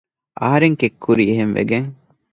އަހަރެން ކެތް ކުރީ އެހެންވެގެން